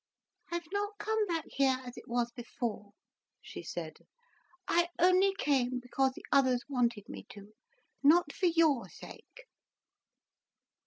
"I've not come back here as it was before," she said. "I only came because the others wanted me to, not for your sake."